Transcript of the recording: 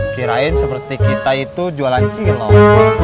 kirain seperti kita itu jualan cilok